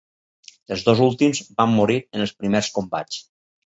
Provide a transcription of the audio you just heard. Els dos últims van morir en els primers combats.